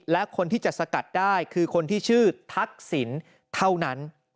และคนที่จะสกัดได้คือคนที่ชื่อทักษิณเท่านั้น